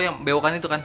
yang bewakan itu kan